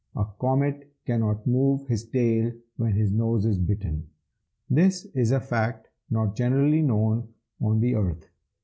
(A comet cannot move his tail when his nose is bitten. This is a fact not generally known on the earth.)